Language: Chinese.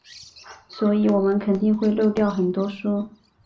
所以我们肯定会漏掉很多书。